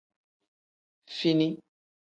Fini.